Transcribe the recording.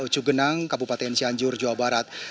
cugenang kabupaten cianjur jawa barat